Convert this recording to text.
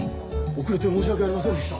遅れて申し訳ありませんでした。